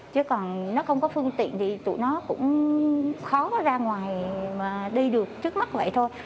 chứ còn nó không có phương tiện thì tụi nó cũng khó ra ngoài mà đi được trước mắt vậy thôi